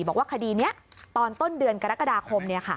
บอกว่าคดีนี้ตอนต้นเดือนกรกฎาคม